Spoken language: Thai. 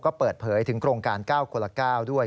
ก็เปิดเผยถึงโครงการ๙คนละ๙ด้วย